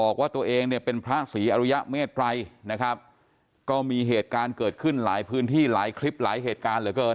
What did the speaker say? ก็มีเหตุการณ์เกิดขึ้นหลายพื้นที่หลายคลิปหลายเหตุการณ์เหลือเกิน